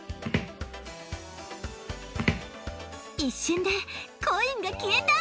一瞬でコインが消えた！